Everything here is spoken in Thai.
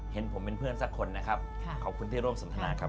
เห็นผมเป็นเพื่อนสักคนนะครับขอบคุณที่ร่วมสนทนาครับ